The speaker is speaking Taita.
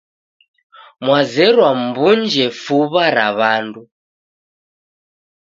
Mwazerwa mw'unje fuw'a ra w'andu,